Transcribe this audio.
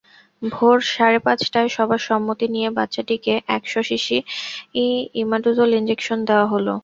ভোর সাড়ে পাঁচটায় সবার সম্মতি নিয়ে বাচ্চাটিকে এক শ সিসি ইমাডোজল ইনজেকশন দেওয়া হল।